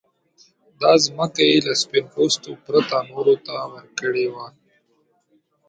دا ځمکه يې له سپين پوستو پرته نورو ته ورکړې وه.